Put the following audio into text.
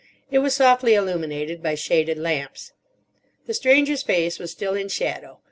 It was softly illuminated by shaded lamps. The Stranger's face was still in shadow.